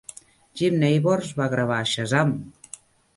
Jim Nabors va gravar Shazam!